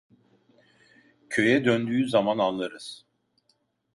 Köye döndüğü zaman anlarız…